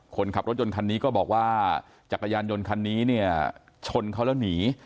คนขับรถยนต์คันนี้ก็บอกว่าจักรยานยนต์คันนี้เนี่ยชนเขาแล้วหนี